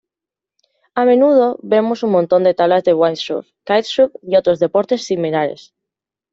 A menudo vemos un montón de tablas de windsurf, kitesurf y otros deportes similares.